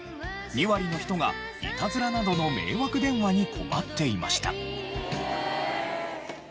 ２割の人がイタズラなどの迷惑電話に困っていました。